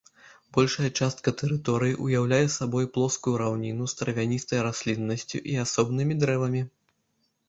Большая частка тэрыторыі ўяўляе сабой плоскую раўніну з травяністай расліннасцю і асобнымі дрэвамі.